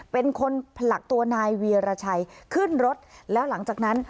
เป็นคนผลักตัวนายเวียรชัยขึ้นรถแล้วหลังจากนั้น